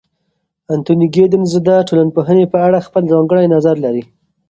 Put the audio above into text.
انتوني ګیدنز د ټولنپوهنې په اړه خپل ځانګړی نظر لري.